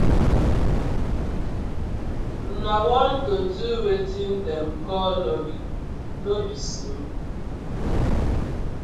Una wan to do weten dem call logging, no bi so?